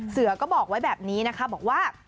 เสือก็บอกไว้แบบนี้นะคะบอกว่า